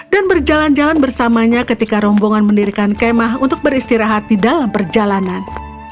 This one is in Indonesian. dan berjalan jalan bersamanya ketika rombongan mendirikan kemah untuk beristirahat di dalam perjalanan